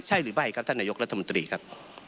ใช่หรือไม่ครับท่านนายกรัฐมนตรีครับ